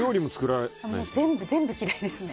全部嫌いですね。